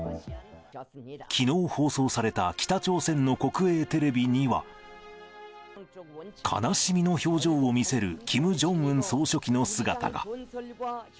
きのう放送された北朝鮮の国営テレビには、悲しみの表情を見せるキム・ジョンウン総書記の姿が。